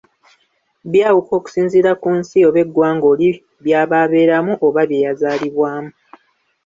Byawuka okusinziira ku nsi oba eggwanga oli byaba abeeramu oba bye yazaalibwamu.